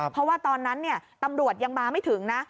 เพราะว่าตอนนั้นตำรวจยังมาไม่ถึงนะ